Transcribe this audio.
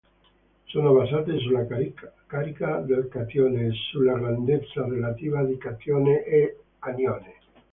Sono basate sulla carica del catione e sulla grandezza relativa di catione e anione.